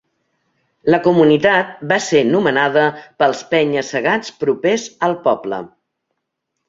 La comunitat va ser nomenada pels penya-segats propers al poble.